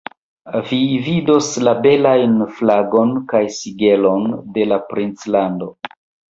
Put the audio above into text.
Vi vidos la belajn flagon kaj sigelon de la princlando.